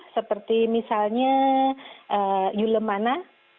seperti misalnya yulemana